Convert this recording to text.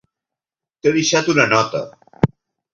T'he deixat una nota.